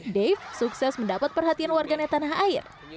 dave sukses mendapat perhatian warganet tanah air